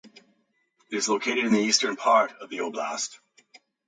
It is located in the eastern part of the oblast.